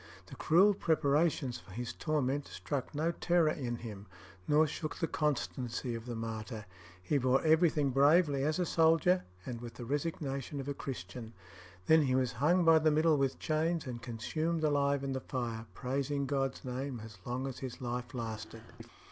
The cruel preparations for his torment struck no terror in him, nor shook the constancy of the martyr. He bore everything bravely as a soldier, and with the resignation of a Christian. Then he was hung by the middle with chains and consumed alive in the fire, praising God's name as long as his life lasted.